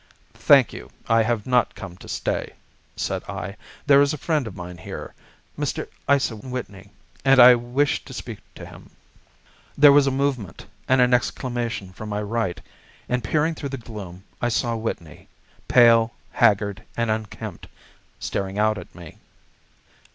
"Thank you. I have not come to stay," said I. "There is a friend of mine here, Mr. Isa Whitney, and I wish to speak with him." There was a movement and an exclamation from my right, and peering through the gloom, I saw Whitney, pale, haggard, and unkempt, staring out at me.